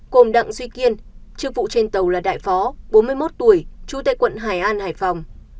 gồm đặng duy kiên trước vụ trên tàu là đại phó bốn mươi một tuổi trú tại quận hải an hải phòng